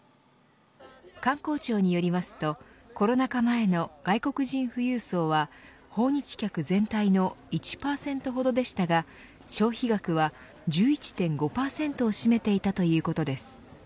観光庁によりますとコロナ禍前の外国人富裕層は訪日客全体の１％ほどでしたが消費額は１１．５％を占めていたということです。